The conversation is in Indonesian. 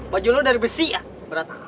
baju lo dari besi berat amat